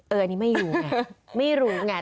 เอออันนี้ไม่รู้ไง